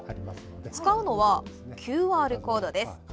使うのはＱＲコードです。